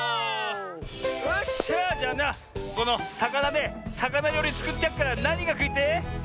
よっしゃじゃあなこのさかなでさかなりょうりつくってやっからなにがくいてえ？